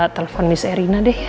telepon miss erina deh ya